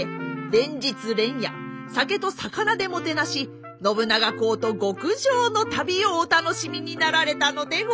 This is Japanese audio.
連日連夜酒と肴でもてなし信長公と極上の旅をお楽しみになられたのでございます。